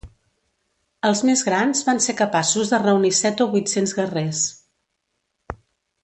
Els més grans van ser capaços de reunir set o vuit-cents guerrers.